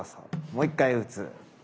もう１回打つ。